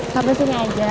sampai sini aja